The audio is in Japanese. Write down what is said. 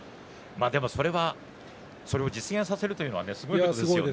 でもそれを実現させるというのはすごいことですね。